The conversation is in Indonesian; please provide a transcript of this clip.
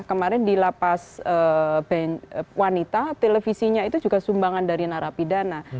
kemarin di lapas wanita televisinya itu juga sumbangan dari narapidana